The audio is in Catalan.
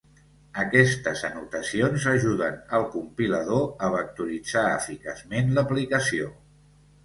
Aquestes anotacions ajuden al compilador a vectoritzar eficaçment l'aplicació.